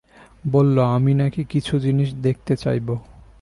বললো আমি নাকি কিছু জিনিস দেখতে চাইবো।